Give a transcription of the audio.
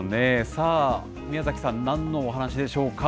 さあ、宮崎さん、なんのお話でしょうか。